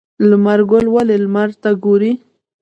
لمر ګل ولې لمر ته ګوري؟